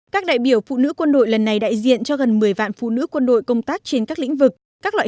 các đại biểu phụ nữ quân đội lần này đại diện cho gần một mươi vạn phụ nữ quân đội công tác trên các lĩnh vực